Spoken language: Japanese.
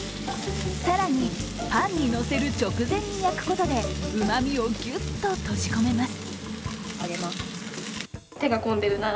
更に、パンにのせる直前に焼くことで旨みをぎゅっと閉じ込めます。